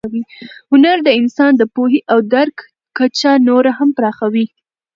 هنر د انسان د پوهې او درک کچه نوره هم پراخوي.